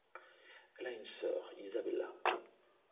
Elle a une sœur, Izabela.